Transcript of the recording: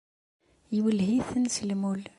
Iwelleh-iten s lmul.